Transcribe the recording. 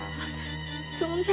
そんな。